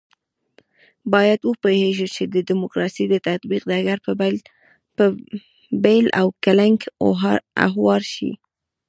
باید وپوهېږو چې د ډیموکراسۍ د تطبیق ډګر په بېل او کلنګ هوار شي.